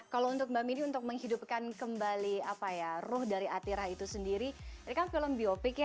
kalau untuk mbak mini untuk menghidupkan kembali apa ya ruh dari atira itu sendiri ini kan film biopik ya